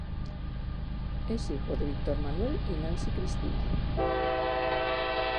Es hijo de Víctor Manuel y Nancy Cristina.